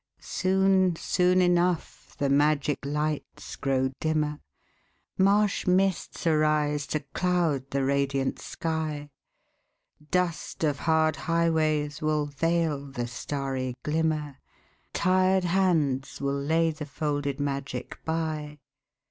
Soon, soon enough the magic lights grow dimmer, Marsh mists arise to cloud the radiant sky, Dust of hard highways will veil the starry glimmer, Tired hands will lay the folded magic by.